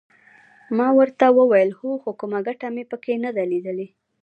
ما ورته وویل هو خو کومه ګټه مې پکې نه ده لیدلې.